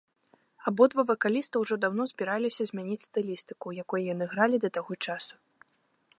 Абодва вакаліста ўжо даўно збіраліся змяніць стылістыку, у якой яны гралі да таго часу.